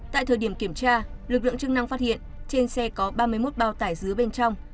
tại thời điểm kiểm tra lực lượng chức năng phát hiện trên xe có ba mươi một bao tải dứa bên trong